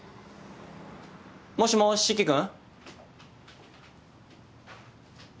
もしもし四鬼君。